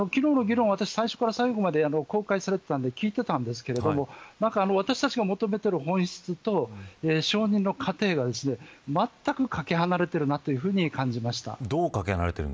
最初から最後まで議論が公開されていたので聞いていましたが私たちを求めている本質と承認の過程がまったくかけ離れているなと感じました。